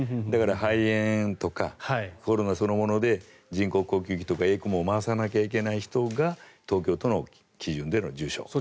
だから、肺炎とかコロナそのもので人工呼吸器とかＥＣＭＯを回さなきゃいけない人が東京都の基準での重症。